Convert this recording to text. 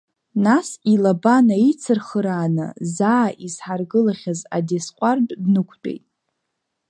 Нас илаба наицырхырааны, заа изҳаргылахьаз адесҟәардә днықәтәеит.